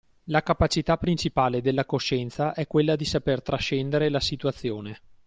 La capacità principale della coscienza è quella di saper trascendere la situazione